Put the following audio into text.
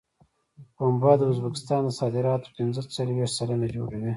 پنبه د ازبکستان د صادراتو پنځه څلوېښت سلنه جوړوي.